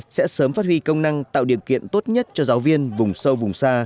sẽ sớm phát huy công năng tạo điều kiện tốt nhất cho giáo viên vùng sâu vùng xa